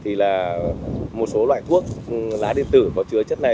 thì là một số loại thuốc lá điện tử có chứa chất này